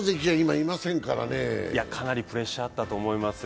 いや、かなりプレッシャーあったと思いますよ。